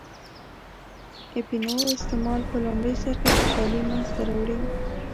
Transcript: اپینو استعمال په لومړی سر کې خوشحالي منځته راوړي.